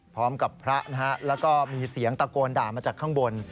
พร้อมกับพระนะฮะแล้วก็มีเสียงตะโกนด่ามาจากข้างบน